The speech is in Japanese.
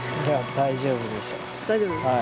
大丈夫ですか。